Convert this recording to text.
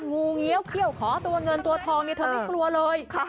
งูเงี้ยวเขี้ยวขอตัวเงินตัวทองเนี่ยเธอไม่กลัวเลย